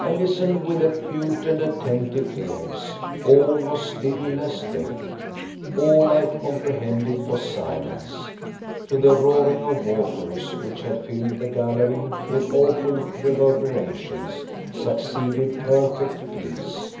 I listened with acute and attentive ears. All was still as death. All I comprehended was silence. To the roaring of the waters, which had filled the gallery with awful reverberations, succeeded perfect peace.